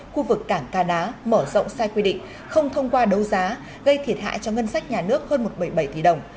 khu vực cảng cà ná mở rộng sai quy định không thông qua đấu giá gây thiệt hại cho ngân sách nhà nước hơn một trăm bảy mươi bảy tỷ đồng